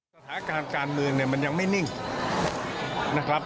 สถานการณ์การเมืองเนี่ยมันยังไม่นิ่งนะครับ